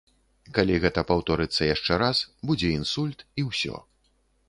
Калі гэта паўторыцца яшчэ раз, будзе інсульт, і ўсё.